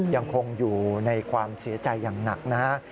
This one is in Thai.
ยังคงอยู่ในความเสียใจอย่างหนักนะฮะ